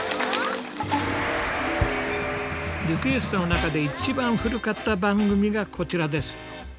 リクエストの中で一番古かった番組がこちらです。